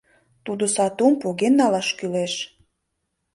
Тудо сатум поген налаш кӱлеш.